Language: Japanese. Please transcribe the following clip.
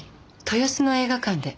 豊洲の映画館で。